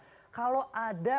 kan kalau kita ngeliat itu